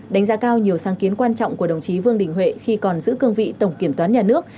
đánh giá cao nhiều sáng kiến quan trọng của đồng chí vương đình huệ khi còn giữ cương vị tổng kiểm toán nhà nước